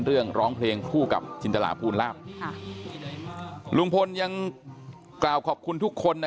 เรื่องร้องเพลงคู่กับจินตราพูนลาบลุงพลยังกล่าวขอบคุณทุกคนนะ